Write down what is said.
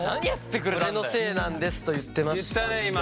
「俺のせいなんです」と言ってましたんで。